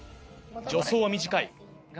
助走は短い。